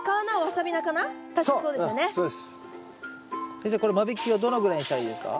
先生これ間引きはどのぐらいしたらいいんですか？